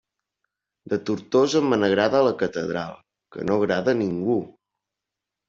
De Tortosa me n'agrada la catedral, que no agrada a ningú!